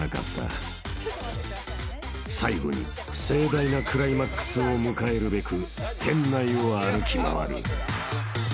［最後に盛大なクライマックスを迎えるべく店内を歩き回る］